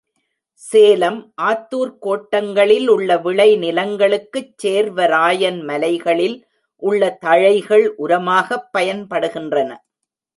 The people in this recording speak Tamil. சேலம், ஆத்தூர்க் கோட்டங்களில் உள்ள விளை நிலங்களுக்குச் சேர்வராயன் மலைகளில் உள்ள தழைகள் உரமாகப் பயன்படுகின்றன.